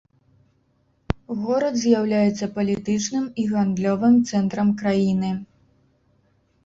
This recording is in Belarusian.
Горад з'яўляецца палітычным і гандлёвым цэнтрам краіны.